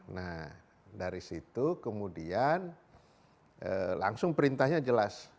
nah dari situ kemudian langsung perintahnya jelas